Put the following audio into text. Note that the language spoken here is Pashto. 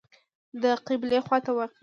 د قبلې خواته واقع و.